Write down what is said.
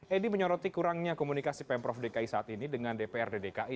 edi menyoroti kurangnya komunikasi pemprov dki saat ini dengan dprd dki